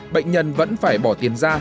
bệnh nhân vẫn phải bỏ tiền ra